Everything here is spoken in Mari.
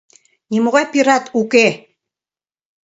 Нимогай пират уке...